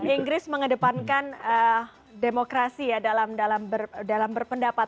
inggris mengedepankan demokrasi ya dalam berpendapat